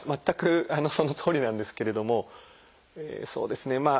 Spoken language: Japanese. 全くそのとおりなんですけれどもそうですね